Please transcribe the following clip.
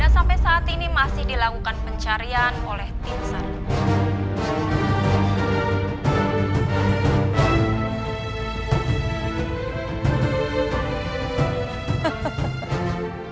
dan sampai saat ini masih dilakukan pencarian oleh tim sarang